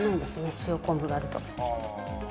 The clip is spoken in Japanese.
塩昆布があると。